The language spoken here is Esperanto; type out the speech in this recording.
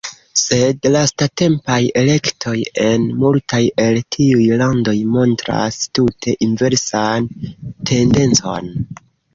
Sed lastatempaj elektoj en multaj el tiuj landoj montras tute inversan tendencon.